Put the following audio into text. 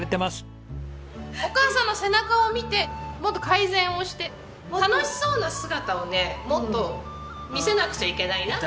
お母さんの背中を見てもっと改善をして楽しそうな姿をねもっと見せなくちゃいけないなと思って。